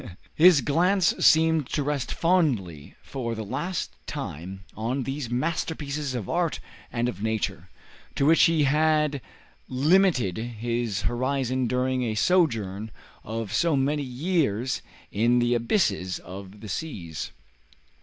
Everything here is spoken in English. His glance seemed to rest fondly for the last time on these masterpieces of art and of nature, to which he had limited his horizon during a sojourn of so many years in the abysses of the seas.